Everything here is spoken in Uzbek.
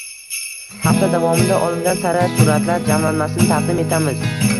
Hafta davomida olingan sara suratlar jamlanmasini taqdim etamiz